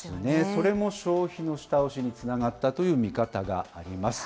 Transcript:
それも消費の下押しにつながったという見方があります。